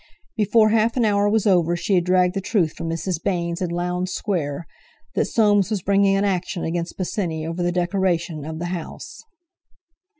Before half an hour was over she had dragged the truth from Mrs. Baynes in Lowndes Square, that Soames was bringing an action against Bosinney over the decoration of the house.